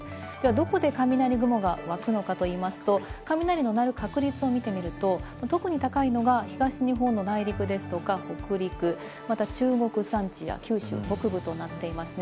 では、どこで雷雲が湧くのかと言いますと、雷のなる確率を見てみると、特に高いのが東日本の内陸ですとか北陸、また中国山地や九州北部となっていますね。